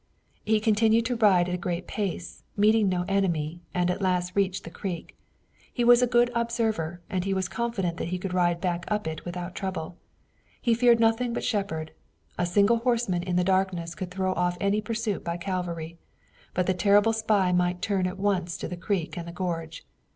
He continued to ride at a great pace, meeting no enemy, and at last reached the creek. He was a good observer and he was confident that he could ride back up it without trouble. He feared nothing but Shepard. A single horseman in the darkness could throw off any pursuit by cavalry, but the terrible spy might turn at once to the creek and the gorge.